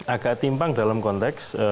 agak timpang dalam konteks